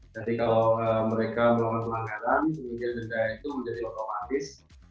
jadi kalau mereka melakukan pelanggaran denda itu menjadi otomatis